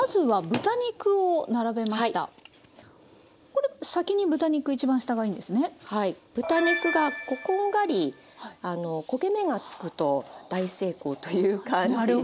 豚肉がこんがり焦げ目がつくと大成功という感じで。